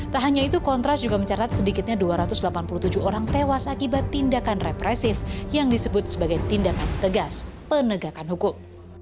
tak hanya itu kontras juga mencatat sedikitnya dua ratus delapan puluh tujuh orang tewas akibat tindakan represif yang disebut sebagai tindakan tegas penegakan hukum